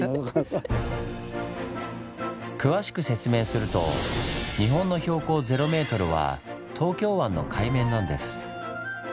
詳しく説明すると日本の標高０ｍは東京湾の海面なんです。